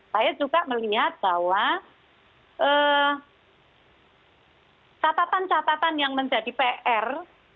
saya juga melihat bahwa catatan catatan yang menjadi pr